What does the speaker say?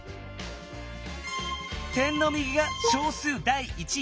点の右が小数第一位。